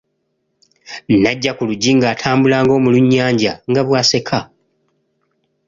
N'ajja ku luggi ng'atambula ng'omulunnyanja, nga bw'aseka.